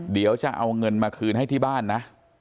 เดี๋ยวจะเอาเงินมาคืนให้ที่บ้านนะ